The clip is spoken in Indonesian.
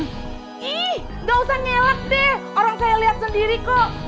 ih gak usah ngelak deh orang saya lihat sendiri kok